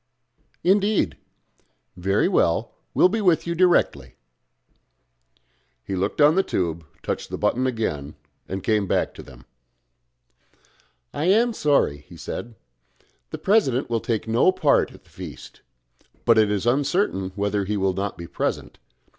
Indeed. Very well; we will be with you directly." He looked on the tube, touched the button again, and came back to them. "I am sorry," he said. "The President will take no part at the Feast. But it is uncertain whether he will not be present.